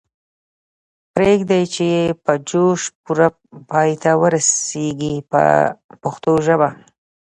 پریږدئ چې یې په جوش پوره پای ته ورسیږي په پښتو ژبه.